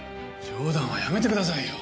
冗談はやめてくださいよ。